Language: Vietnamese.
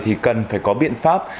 thì cần phải có biện pháp